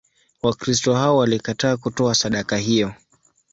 Wakristo hao walikataa kutoa sadaka hiyo.